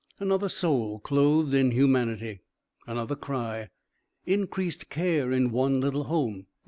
'" Another soul clothed in humanity; another cry; increased care in one little home.